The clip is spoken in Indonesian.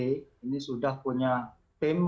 ini sudah punya tim